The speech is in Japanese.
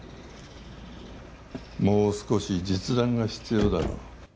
もう少し実弾が必要だろう。